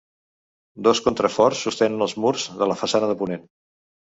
Dos contraforts sostenen els murs de la façana de ponent.